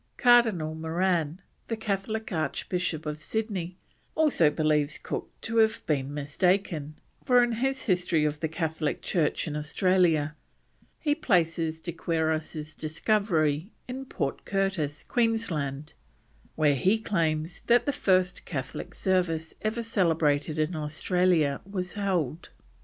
Cardinal Moran, the Catholic Archbishop of Sydney, also believes Cook to have been mistaken, for in his History of the Catholic Church in Australia, he places De Quiros's discovery in Port Curtis, Queensland, where he claims that the first Catholic service ever celebrated in Australia was held.